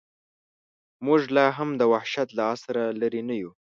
موږ لا هم د وحشت له عصره لرې نه یو.